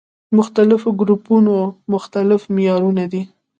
مختلفو ګروپونو مختلف معيارونه دي.